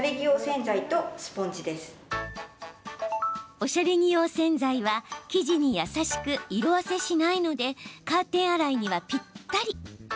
おしゃれ着用洗剤は生地に優しく、色あせしないのでカーテン洗いにはぴったり。